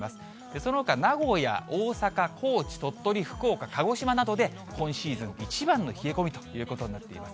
そのほか、名古屋、大阪、高知、鳥取、福岡、鹿児島などで、今シーズン一番の冷え込みということになっています。